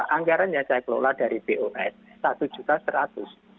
anggaran yang saya kelola dari bos rp satu seratus